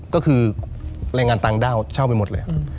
ก็คือแรงงานต่างด้าวเช่าไปหมดเลย